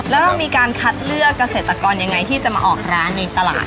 แล้วเรามีการคัดเลือกเกษตรกรยังไงที่จะมาออกร้านในตลาด